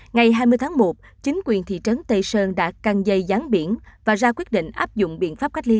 ngày hai mươi tháng một chính quyền thị trấn tây sơn đã căng dây gián biển và ra quyết định áp dụng biện pháp cách ly